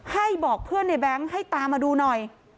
ให้บอกเพื่อนในแบงค์ให้ตามมาดูหน่อย